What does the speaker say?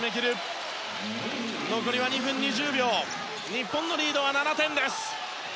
日本のリードは７点です。